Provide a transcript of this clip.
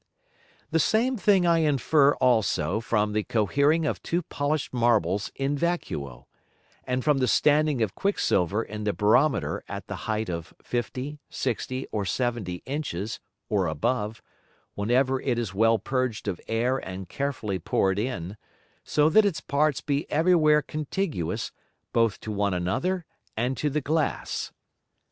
The same thing I infer also from the cohering of two polish'd Marbles in vacuo, and from the standing of Quick silver in the Barometer at the height of 50, 60 or 70 Inches, or above, when ever it is well purged of Air and carefully poured in, so that its Parts be every where contiguous both to one another and to the Glass.